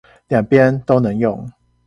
兩邊都能用